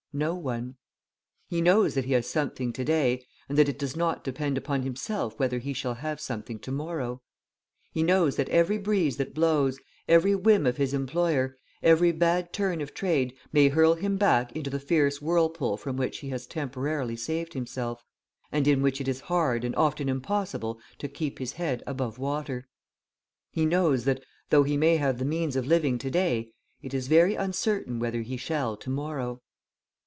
No one. He knows that he has something to day, and that it does not depend upon himself whether he shall have something to morrow. He knows that every breeze that blows, every whim of his employer, every bad turn of trade may hurl him back into the fierce whirlpool from which he has temporarily saved himself, and in which it is hard and often impossible to keep his head above water. He knows that, though he may have the means of living to day, it is very uncertain whether he shall to morrow.